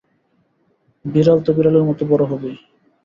বিড়াল তো বিড়ালের মতো বড়ই হবে।